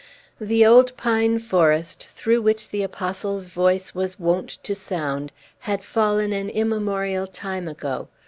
The old pine forest, through which the Apostle's voice was wont to sound, had fallen an immemorial time ago.